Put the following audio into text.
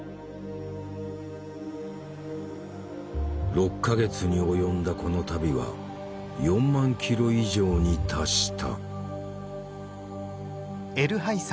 ６か月に及んだこの旅は４００００キロ以上に達した。